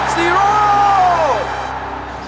สิโรธ